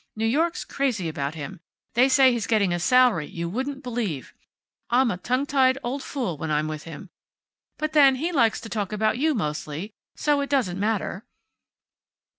New York's crazy about him. They say he's getting a salary you wouldn't believe. I'm a tongue tied old fool when I'm with him, but then, he likes to talk about you, mostly, so it doesn't matter."